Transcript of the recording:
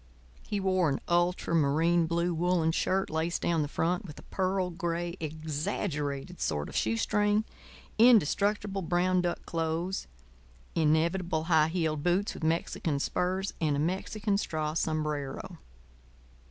He wore an ultramarine blue woollen shirt laced down the front with a pearl gray, exaggerated sort of shoestring, indestructible brown duck clothes, inevitable high heeled boots with Mexican spurs, and a Mexican straw sombrero.